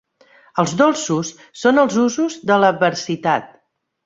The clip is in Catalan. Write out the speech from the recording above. Els dolços són els usos de l'adversitat.